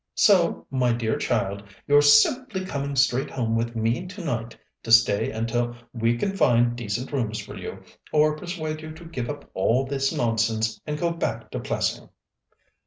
So, my dear child, you're simply coming straight home with me tonight, to stay until we can find decent rooms for you, or persuade you to give up all this nonsense and go back to Plessing."